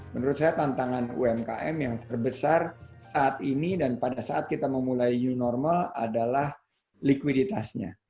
menurut saya tantangan umkm yang terbesar saat ini dan pada saat kita memulai new normal adalah likuiditasnya